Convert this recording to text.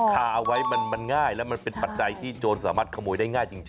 คาเอาไว้มันง่ายแล้วมันเป็นปัจจัยที่โจรสามารถขโมยได้ง่ายจริง